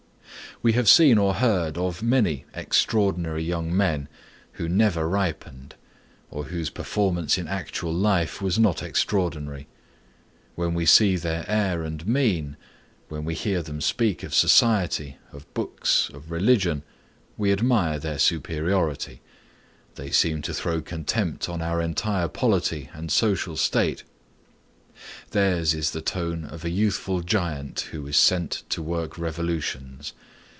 We have seen or heard of many extraordinary young men who never ripened, or whose performance in actual life was not extraordinary. When we see their air and mien, when we hear them speak of society, of books, of religion, we admire their superiority; they seem to throw contempt on our entire polity and social state; theirs is the tone of a youthful giant who is sent to work revolutions.